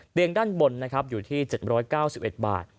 เตียงด้านบนอยู่ที่๗๙๑บาท